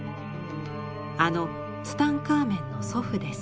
あのツタンカーメンの祖父です。